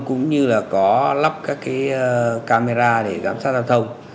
cũng như là có lắp các cái camera để giám sát giao thông